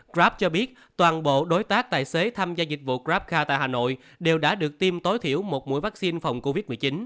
grab cho biết toàn bộ đối tác tài xế tham gia dịch vụ grabca tại hà nội đều đã được tiêm tối thiểu một mũi vaccine phòng covid một mươi chín